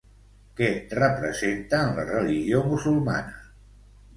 Què representa en la religió musulmana?